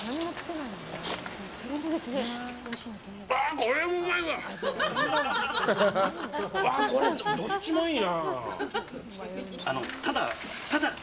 これ、どっちもいいな。